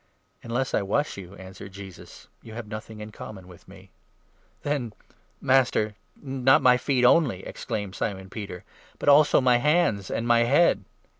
8 "Unless I wash you," answered Jesus, "you have nothing in common with me." "Then, Master, not my feet only," exclaimed Simon Peter, 9 " but also my hands and my head."